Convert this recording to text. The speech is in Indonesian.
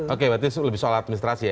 oke berarti lebih soal administrasi ya